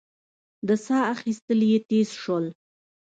د سا اخېستل يې تېز شول.